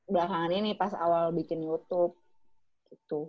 belakangan ini pas awal bikin youtube gitu